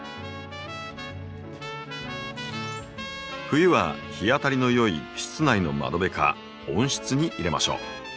冬は日当たりのよい室内の窓辺か温室に入れましょう。